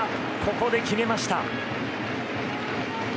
ここで決めました。